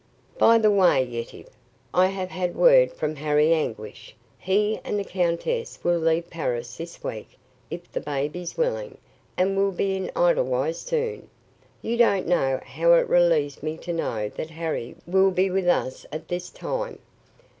"By the way, Yetive, I have had word from Harry Anguish. He and the countess will leave Paris this week, if the baby's willing, and will be in Edelweiss soon. You don't know how it relieves me to know that Harry will be with us at this time."